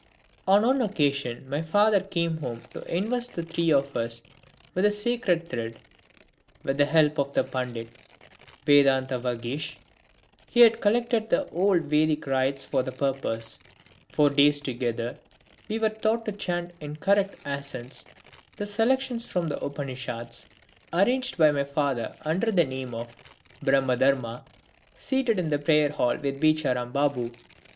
On one occasion my father came home to invest the three of us with the sacred thread. With the help of Pandit Vedantavagish he had collected the old Vedic rites for the purpose. For days together we were taught to chant in correct accents the selections from the Upanishads, arranged by my father under the name of "Brahma Dharma," seated in the prayer hall with Becharam Babu.